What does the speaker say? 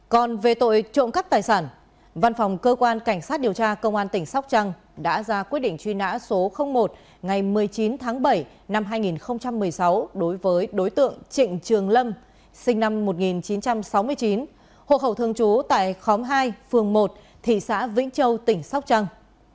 còn về tội trộm cắt tài sản văn phòng cơ quan cảnh sát điều tra công an tỉnh sóc trăng đã ra quyết định truy nã số một ngày một mươi chín tháng bảy năm hai nghìn một mươi sáu đối với đối tượng trịnh trường lâm sinh năm một nghìn chín trăm sáu mươi chín hộ khẩu thường trú tại khóm hai phường một thị xã vĩnh châu tỉnh sóc trăng